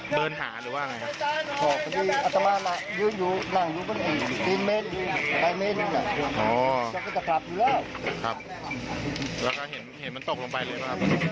ไม่มีเกียร์